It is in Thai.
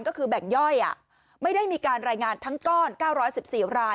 ก็คือแบ่งย่อยไม่ได้มีการรายงานทั้งก้อน๙๑๔ราย